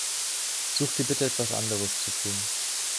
Such dir bitte etwas anderes zu tun.